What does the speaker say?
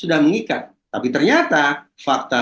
sudah mengikat tapi ternyata fakta